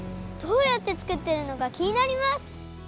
どうやって作っているのかきになります！